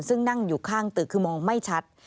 ซึ่งนั่งอยู่ข้างตึกคือมองไม่ชัด